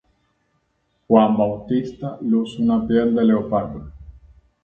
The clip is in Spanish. Juan el Bautista luce una piel de leopardo.